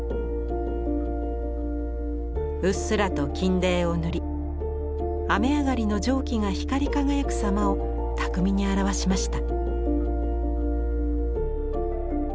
うっすらと金泥を塗り雨上がりの蒸気が光り輝くさまを巧みに表しました。